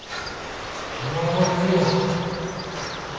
もう無理や。